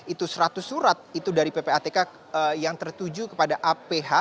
itu seratus surat itu dari ppatk yang tertuju kepada aph